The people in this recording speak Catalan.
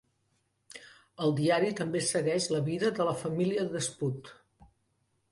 El diari també segueix la vida de la família de Spud.